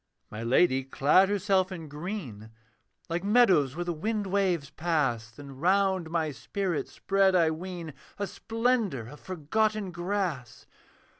My Lady clad herself in green, Like meadows where the wind waves pass; Then round my spirit spread, I ween, A splendour of forgotten grass.